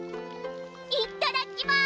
いっただきます！